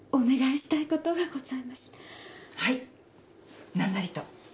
はい何なりと。